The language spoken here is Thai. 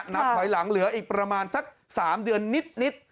นับถอยหลังเหลืออีกประมาณสัก๓เดือนนิด